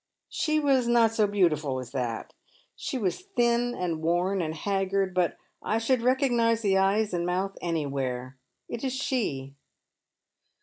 She was not so beautiful as that. She was thin and worn and haggard, but I should recognise the eyes and mouth anywhere. It is she."